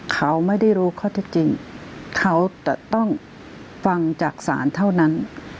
เขาไม่ได้รู้ข้อเท็จจริงเขาจะต้องฟังจากศาลเท่านั้น